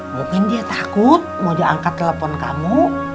mungkin dia takut mau diangkat telepon kamu